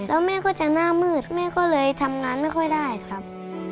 แล้วแม่ก็จะหน้ามืดแม่ก็เลยทำงานไม่ค่อยได้ครับ